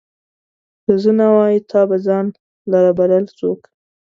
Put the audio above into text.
که زه نه وای، تا به ځان لره بلل څوک